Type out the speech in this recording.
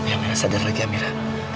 amira sadar lagi amira